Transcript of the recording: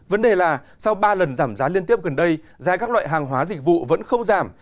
vấn đề là sau ba lần giảm giá liên tiếp gần đây giá các loại hàng hóa dịch vụ vẫn không giảm